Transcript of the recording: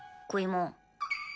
食いもん。